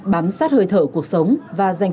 bám sát hơi thở cuộc sống và dành